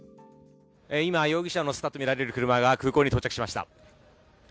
今、容疑者を乗せたとみられる車が空港に到着しました。